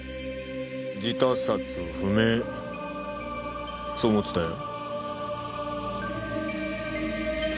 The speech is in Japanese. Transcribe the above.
自他殺不明そう思ってたよ。